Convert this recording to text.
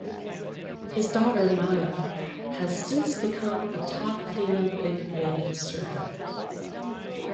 His daughter Maya has since become a top female big wave surfer.